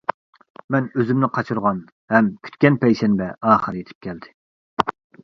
مەن ئۆزۈمنى قاچۇرغان ھەم كۈتكەن پەيشەنبە ئاخىر يېتىپ كەلدى.